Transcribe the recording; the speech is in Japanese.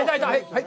はい！